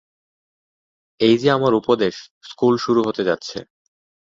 এই যে আমার উপদেশ, স্কুল শুরু হতে যাচ্ছে।